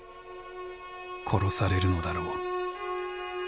殺されるのだろう。